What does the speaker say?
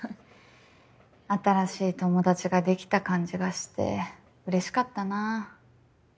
新しい友達ができた感じがしてうれしかったな。